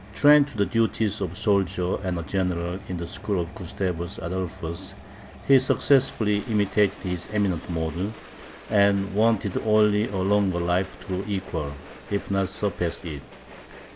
Trained to the duties of a soldier and a general in the school of Gustavus Adolphus, he successfully imitated his eminent model, and wanted only a longer life to equal, if not to surpass it.